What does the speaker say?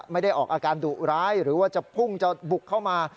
ไม่ได้ออกอาการดุร้ายหรือว่าจะพุ่งจะบุกเข้ามา